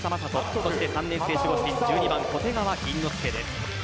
そして３年生、守護神・１２番小手川吟之介です。